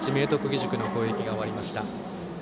義塾の攻撃が終わりました。